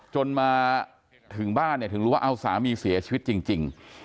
จนมาถึงบ้านเนี่ยถึงรู้ว่าเอาสามีเสียชีวิตจริง